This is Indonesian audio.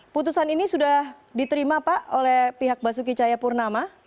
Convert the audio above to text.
putusan ini sudah diterima pak oleh pihak basuki cahayapurnama